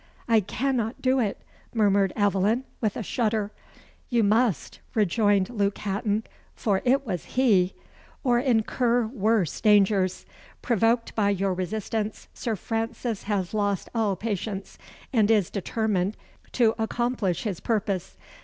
"I cannot do it," murmured Aveline, with a shudder. "You MUST," rejoined Luke Hatton for it was he "or incur worse dangers. Provoked by your resistance, Sir Francis has lost all patience, and is determined to accomplish his purpose.